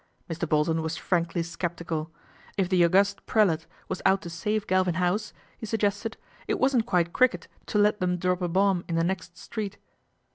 Mr. Bolton was frankly sceptical. If the august prelate was out to save Galvin House, he sug gested, it wasn't quite cricket to let them drop a bomb in the next street.